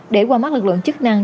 để qua mắt lực lượng chức năng